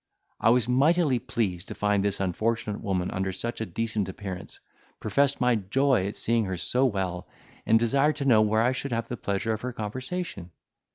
I was mightily pleased to find this unfortunate woman under such a decent appearance, professed my joy at seeing her so well, and desired to know where I should have the pleasure of her conversation.